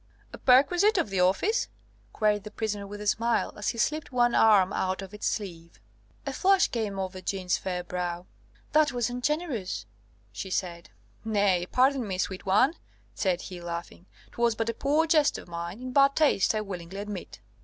"A perquisite of the office?" queried the prisoner with a smile, as he slipped one arm out of its sleeve. A flush came over Jeanne's fair brow. "That was ungenerous," she said. "Nay, pardon me, sweet one," said he, laughing: "'twas but a poor jest of mine in bad taste, I willingly admit."